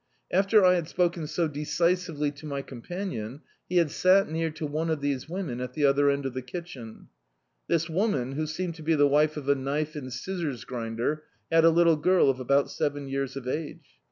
After I had spoken so decisively to my companion he had sat near to one of these women, at the other end of the kitchen. This woman* irtio seemed to be the wife of a knife and scissors grinder, had a little ^rl of about seven years of age.